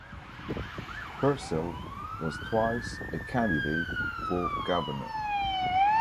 Purcell was twice a candidate for governor.